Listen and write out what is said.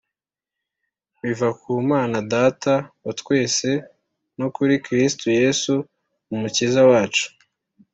biva ku Mana Data wa twese no kuri Kristo Yesu Umukiza wacu.